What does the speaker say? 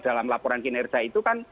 dalam laporan kinerja itu kan